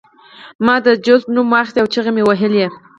ما د جوزف نوم واخیست او چیغې مې وهلې